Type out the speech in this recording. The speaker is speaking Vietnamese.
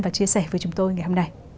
và chia sẻ với chúng tôi ngày hôm nay